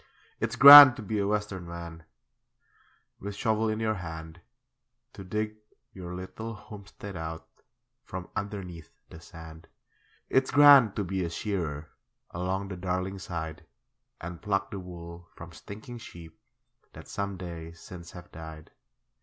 It's grand to be a Western man, With shovel in your hand, To dig your little homestead out From underneath the sand. It's grand to be a shearer, Along the Darling side, And pluck the wool from stinking sheep That some days since have died.